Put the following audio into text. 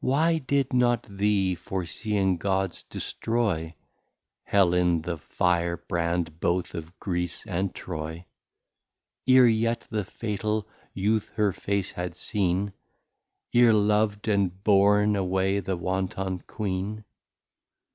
Why did not the fore seeing Gods destroy, Helin the Fire brand both of Greece and Troy, E're yet the Fatal Youth her Face had seen, E're lov'd and born away the wanton Queen?